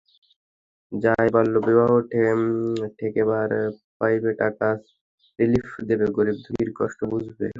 যায় বাল্যবিয়াও ঠেকেবার পাইবে, ট্যাকা ছাড়া রিলিফ দেবে, গরিব-দুঃখীর কষ্ট বুঝবে।